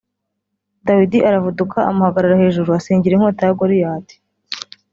Dawidi aravuduka amuhagarara hejuru asingira inkota ya Goliyati